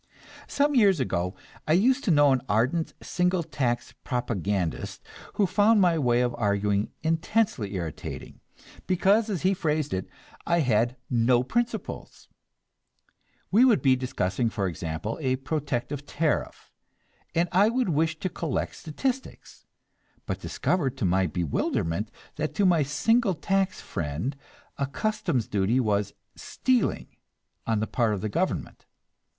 Some years ago I used to know an ardent single tax propagandist who found my way of arguing intensely irritating, because, as he phrased it, I had "no principles." We would be discussing, for example, a protective tariff, and I would wish to collect statistics, but discovered to my bewilderment that to my single tax friend a customs duty was "stealing" on the part of the government.